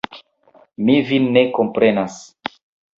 Mi vin ne komprenas!